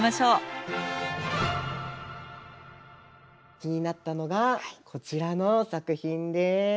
気になったのがこちらの作品です。